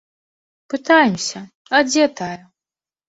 Пытаемся, а дзе тая.